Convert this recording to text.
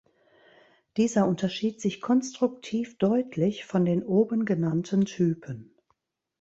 Dieser unterschied sich konstruktiv deutlich von den oben genannten Typen.